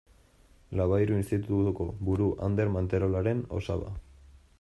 Labayru Institutuko buru Ander Manterolaren osaba.